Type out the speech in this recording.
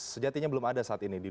sejatinya belum ada saat ini